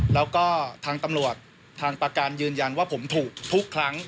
แล้วก็ทางตำรวจทางประการยืนยันว่าผมถูกทุกครั้ง